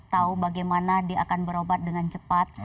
tahu bagaimana dia akan berobat dengan cepat